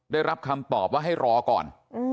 ได้รับคำตอบว่าให้รอก่อน